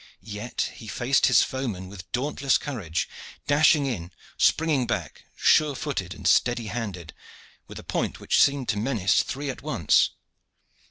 Yet he faced his foemen with dauntless courage, dashing in, springing back, sure footed, steady handed, with a point which seemed to menace three at once.